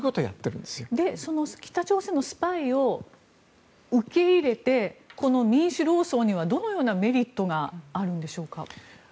北朝鮮のスパイを受け入れてこの民主労総にはどのようなメリットがあるんでしょうか。